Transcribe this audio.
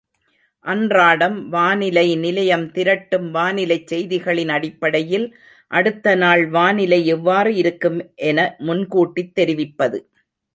அன்றாடம் வானிலை நிலையம் திரட்டும் வானிலைச் செய்திகளின் அடிப்படையில் அடுத்தநாள் வானிலை எவ்வாறு இருக்கும் என முன்கூட்டித் தெரிவிப்பது.